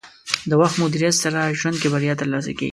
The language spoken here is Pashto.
د وخت مدیریت سره ژوند کې بریا ترلاسه کړئ.